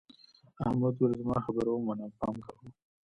احمد وویل زما خبره ومنه او پام کوه.